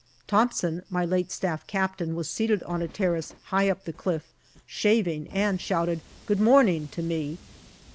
Thompson, my late Staff Captain, was seated on a terrace high up the cliff, shaving, and shouted " Good morning " to me.